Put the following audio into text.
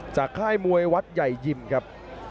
ค่ายมวยวัดใหญ่ยิมครับ